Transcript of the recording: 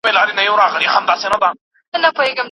هغه به کله خپلي خاطرې وليکي؟